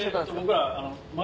僕ら。